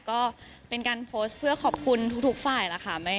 ก็เป็นการโพสต์เพื่อขอบคุณทุกฝ่ายแล้วค่ะ